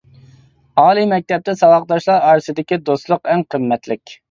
ئالىي مەكتەپتە ساۋاقداشلار ئارىسىدىكى دوستلۇق ئەڭ قىممەتلىك.